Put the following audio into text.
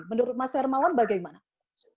menurut mas hermawan bagaimana